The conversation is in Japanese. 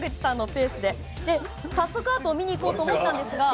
早速、アートを見に行こうと思ったんですが。